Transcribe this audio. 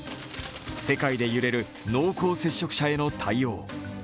世界で揺れる濃厚接触者への対応。